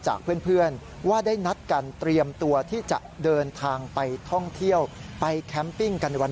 หรือว่าจะไปแคมป์ปิ้งนะครับ